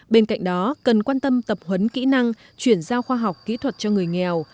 bên cạnh đó cần quan tâm tập huấn kỹ năng chuyển giao khoa học kỹ thuật cho người nghèo